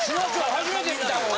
初めて見たわ俺。